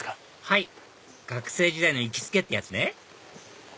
はい学生時代の行きつけってやつね